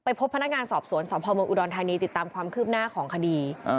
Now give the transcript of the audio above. พบพนักงานสอบสวนสพเมืองอุดรธานีติดตามความคืบหน้าของคดี